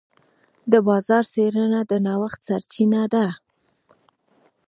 د بازار څېړنه د نوښت سرچینه ده.